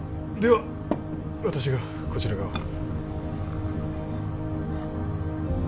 では私がこちら側を